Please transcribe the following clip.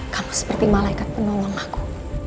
kamu seperti malaikat penolong aku